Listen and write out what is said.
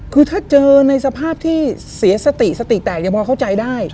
คือถ้าเจอในสภาพที่เสียสติสติแตกยังพอเข้าใจได้